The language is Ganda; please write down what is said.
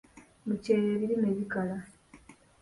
Mu kyeeya ebirime bikala.